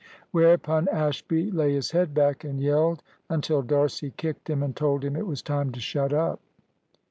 Whereupon Ashby lay his head back and yelled until D'Arcy kicked him and told him it was time to shut up.